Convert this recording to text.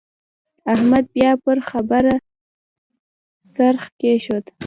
احمد بيا پر خبره څرخ کېښود.